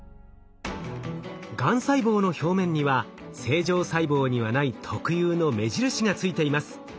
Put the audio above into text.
がん細胞の表面には正常細胞にはない特有の目印がついています。